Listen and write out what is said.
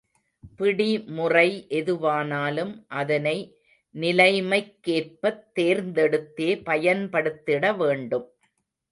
பிடிமுறை எதுவானாலும், அதனை நிலைமைக் கேற்பத் தேர்ந்தெடுத்தே பயன்படுத்திட வேண்டும்.